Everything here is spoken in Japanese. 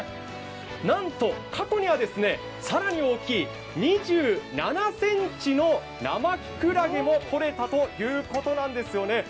なんと過去には更に大きい２７ｃｍの生きくらげも採れたということなんですよね。